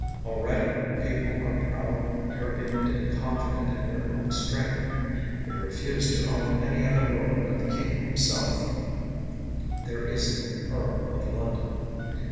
Already the people are proud, turbulent, and confident in their own strength. They refuse to own any other lord but the king himself; there is no Earl of London.